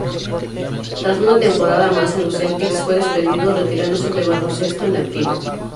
Tras una temporada más en los Celtics, fue despedido, retirándose del baloncesto en activo.